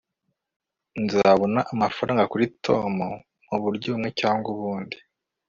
nzabona amafaranga kuri tom muburyo bumwe cyangwa ubundi